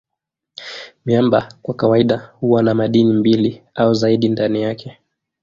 Miamba kwa kawaida huwa na madini mbili au zaidi ndani yake.